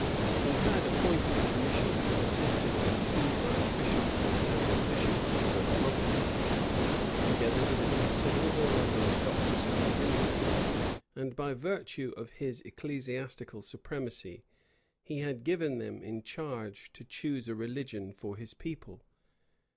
He had appointed a commission, consisting of the two archbishops and several bishops of both provinces, together with a considerable number of doctors of divinity; and by virtue of his ecclesiastical supremacy, he had given them in charge to choose a religion for his people.